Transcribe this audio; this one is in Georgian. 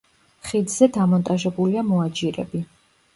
ხიდზე დამონტაჟებულია მოაჯირები.